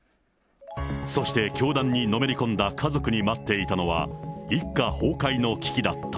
そして教団にのめり込んだ家族に待っていたのは、一家崩壊の危機だった。